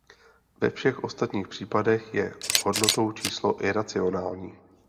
Ve všech ostatních případech je hodnotou číslo iracionální.